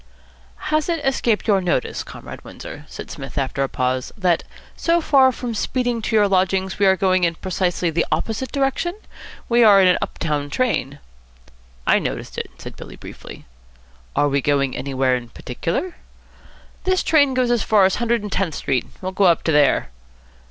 "Has it escaped your notice, Comrade Windsor," said Psmith after a pause, "that, so far from speeding to your lodgings, we are going in precisely the opposite direction? We are in an up town train." "I noticed it," said Billy briefly. "Are we going anywhere in particular?" "This train goes as far as Hundred and Tenth Street. We'll go up to there."